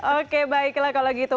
oke baiklah kalau gitu